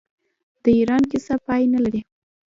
د ایران کیسه پای نلري.